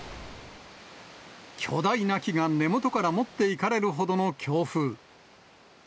巨大な木が根元から持っていかれるほどの強風。